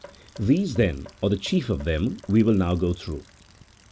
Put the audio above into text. These, then, or the chief of them, we will now go through.